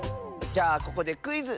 じゃあここでクイズ！